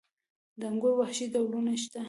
د انګورو وحشي ډولونه شته؟